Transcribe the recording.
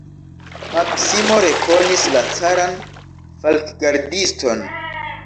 Maksimo rekonis la caran falkgardiston.